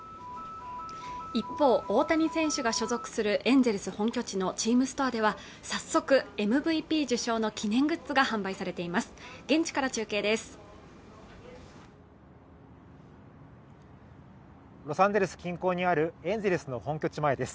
一方大谷選手が所属するエンゼルス本拠地のチームストアでは早速ＭＶＰ受賞の記念グッズが販売されています